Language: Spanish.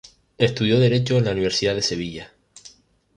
Estudió Derecho en la Universidad de Sevilla.